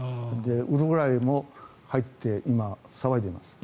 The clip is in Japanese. ウルグアイも入って今、騒いでいます。